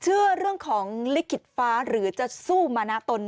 เชื่อเรื่องของลิขิตฟ้าหรือจะสู้มานะตน